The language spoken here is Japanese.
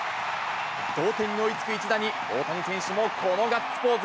同点に追いつく一打に、大谷選手もこのガッツポーズ。